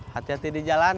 hati hati di jalan